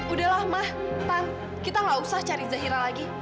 udahlah ma tan kita gak usah cari zahira lagi